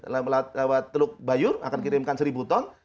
lewat teluk bayur akan kirimkan seribu ton